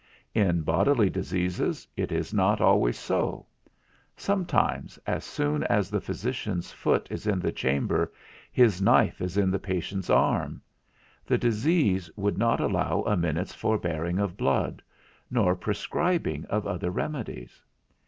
In bodily diseases it is not always so; sometimes, as soon as the physician's foot is in the chamber, his knife is in the patient's arm; the disease would not allow a minute's forbearing of blood, nor prescribing of other remedies.